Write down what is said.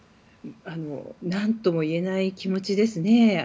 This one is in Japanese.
何とも言えない気持ちですね。